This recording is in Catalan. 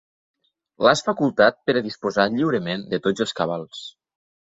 L'has facultat per a disposar lliurement de tots els cabals.